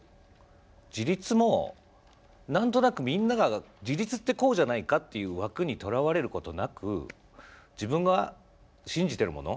自立も、なんとなくみんなが自立ってこうじゃないかっていう枠にとらわれることなく自分が信じているもの。